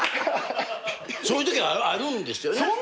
そういうときあるんですよね。